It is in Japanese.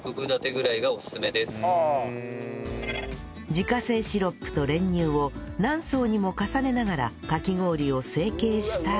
自家製シロップと練乳を何層にも重ねながらかき氷を成形したら